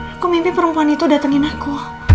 aku mimpi perempuan itu datengin aku